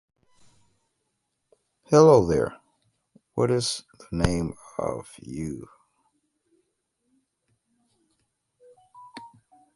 The old grove of Vesta must surely have been a grove of oaks.